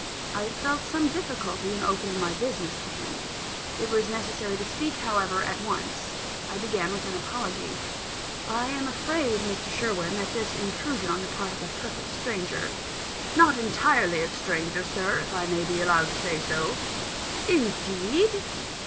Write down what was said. I felt some difficulty in opening my business to him. It was necessary to speak, however, at once I began with an apology. "I am afraid, Mr. Sherwin, that this intrusion on the part of a perfect stranger " "Not entirely a stranger, Sir, if I may be allowed to say so." "Indeed!"